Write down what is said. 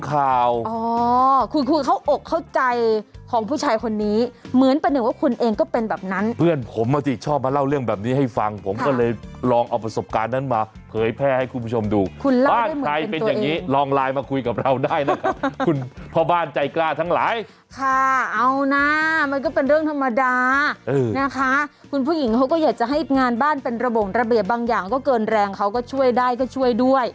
คักเอานะมันก็เป็นเรื่องธรรมดานะคะคุณผู้หญิงเหลือก็อยากจะให้งานบ้านเป็นระบวนระเบียบบางอย่างก็เกินแรงเค้าก็ช่วยได้ก็ช่วยด้วย